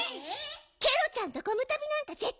ケロちゃんとゴムとびなんかぜったいいや！